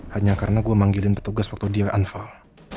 hanya karena gue manggilin petugas waktu dia unfal